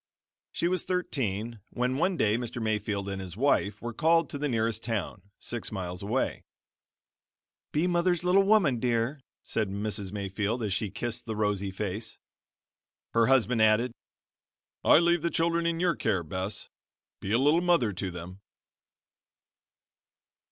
She was thirteen when one day Mr. Mayfield and his wife were called to the nearest town, six miles away. "Be mother's little woman, dear," said Mrs. Mayfield as she kissed the rosy face. Her husband added: "I leave the children in your care, Bess; be a little mother to them."